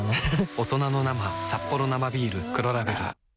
大人の生サッポロ生ビール黒ラベル。